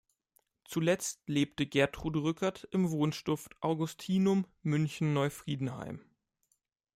Zuletzt lebte Gertrud Rückert im Wohnstift Augustinum München-Neufriedenheim.